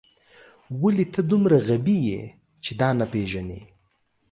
ولې ته دومره غبي یې چې دا نه پېژنې